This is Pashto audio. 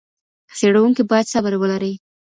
څېړونکی بايد صبر ولري.